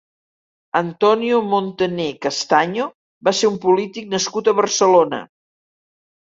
Antonio Montaner Castaño va ser un polític nascut a Barcelona.